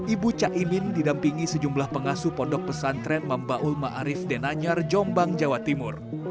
ibu caimin didampingi sejumlah pengasuh pendok pesantren mambaulma arif denanyar jombang jawa timur